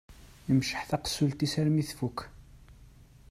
Imceḥ taqessult-is armi tfukk.